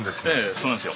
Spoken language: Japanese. そうなんですよ。